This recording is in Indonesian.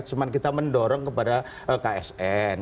cuma kita mendorong kepada ksn